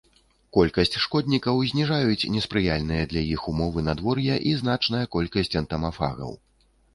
Колькасць шкоднікаў зніжаюць неспрыяльныя для іх ўмовы надвор'я і значная колькасць энтамафагаў.